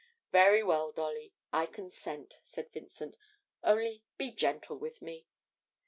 'Very well, Dolly, I consent,' said Vincent; 'only be gentle with me.'